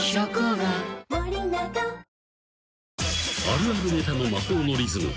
［あるあるネタの魔法のリズム。